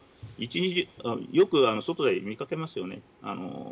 よく、外で見かけますよね。